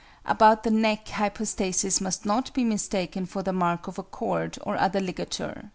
About the neck hypostasis must not be mistaken for the mark of a cord or other ligature.